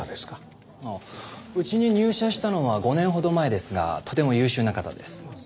うちに入社したのは５年ほど前ですがとても優秀な方です。